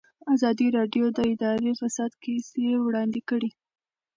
ازادي راډیو د اداري فساد کیسې وړاندې کړي.